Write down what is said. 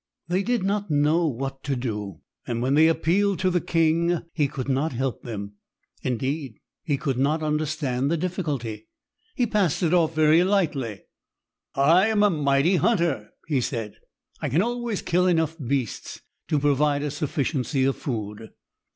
They did not know what to do, and when they appealed to the king, he could not help them. Indeed, he could not understand the difficulty. He passed it off very lightly. "I am a mighty hunter," he said. "I can always kill enough beasts to provide a sufficiency of food."